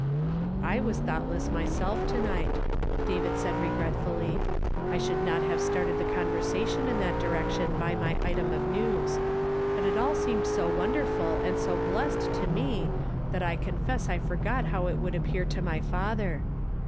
'• I was thouglitless myself to night," David said regretfully ; "1 should not have started the conversation in that direction by my item of news. Put it all seemed so wonderful and so blessed to me, that I confess I forgot how it would ai)pear to my father.